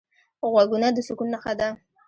غوږونه د سکون نښه ده